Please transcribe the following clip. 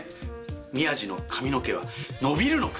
宮治の髪の毛は伸びるのか？